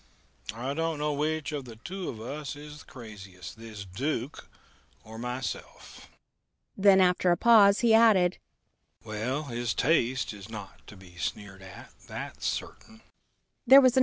I don't know which of us two is the craziest this Duke or myself." Then, after a pause, he added, "Well, his taste is not to be sneered at; that's certain."